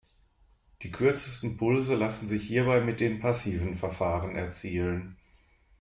Die kürzesten Pulse lassen sich hierbei mit den passiven Verfahren erzielen.